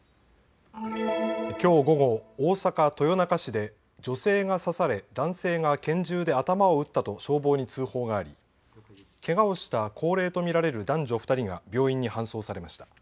きょう午後、大阪豊中市で女性が刺され男性が拳銃で頭を撃ったと消防に通報がありけがをした高齢と見られる男女２人が病院に搬送されました。